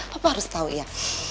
papa harus tau ya